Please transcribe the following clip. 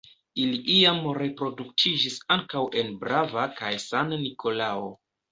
Ili iam reproduktiĝis ankaŭ en Brava kaj San-Nikolao.